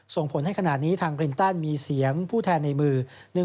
ส่งผลให้ขณะนี้ทางคลินตันมีเสียงผู้แทนในมือ